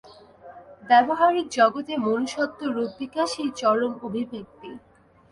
ব্যাবহারিক জগতে মনুষ্যত্ব-রূপ বিকাশই চরম অভিব্যক্তি।